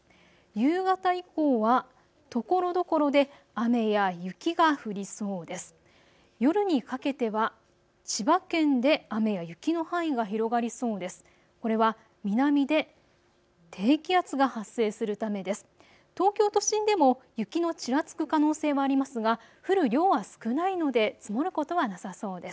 夕方以降はところどころで雨や雪が降りそうです。